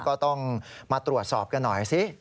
ก็ต้องมาตรวจสอบกันหน่อยสิ